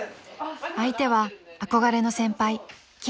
［相手は憧れの先輩］